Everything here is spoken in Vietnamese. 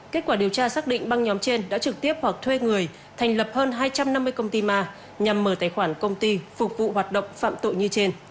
kết quả điều tra xác định băng nhóm trên đã trực tiếp hoặc thuê người thành lập hơn hai trăm năm mươi công ty ma nhằm mở tài khoản công ty phục vụ hoạt động phạm tội như trên